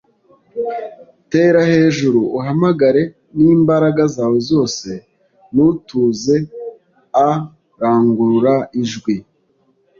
Tera hejuru uhamagare n imbaraga zawe zose ntutuze a Rangurura ijwi